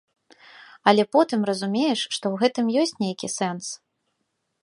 Але потым разумееш, што ў гэтым ёсць нейкі сэнс.